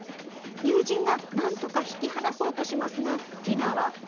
友人が何とか引き離そうとしますがティナは。